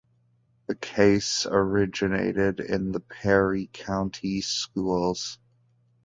The case originated in the Perry County Schools.